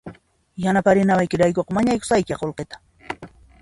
Yanapariwanaykiraykuqa mañayusqaykiya qullqita